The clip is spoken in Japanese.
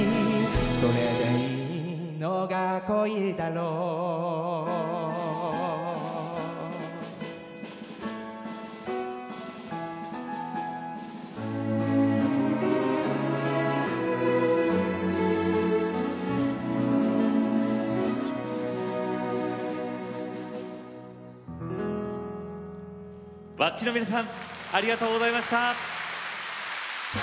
ｗａｃｃｉの皆さんありがとうございました。